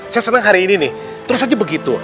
saya senang hari ini nih terus aja begitu